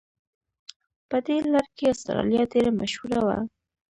په دې لړ کې استرالیا ډېره مشهوره وه.